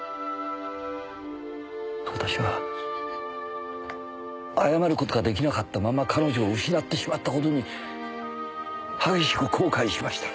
私は謝る事が出来なかったまま彼女を失ってしまった事に激しく後悔しました。